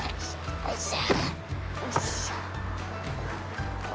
よいしょ。